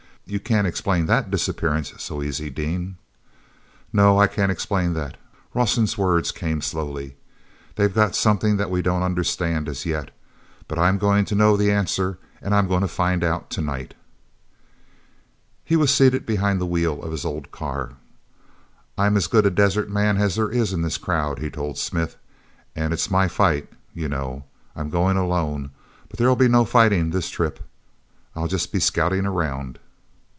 "You can't explain that disappearance so easy, Dean." "No, I can't explain that," Rawson's words came slowly. "They've got something that we don't understand as yet—but I'm going to know the answer, and I'm going to find out to night!" He was seated behind the wheel of his old car. "I'm as good a desert man as there is in this crowd," he told Smith. "And it's my fight, you know. I'm going alone. But there'll be no fighting this trip; I'll just be scouting around."